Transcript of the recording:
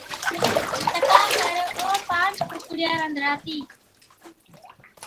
تڪا پر او پانچ ڪُوڪڙِيا رنڌڙاتِي،